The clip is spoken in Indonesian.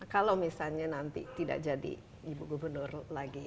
kalau misalnya nanti tidak jadi ibu gubernur lagi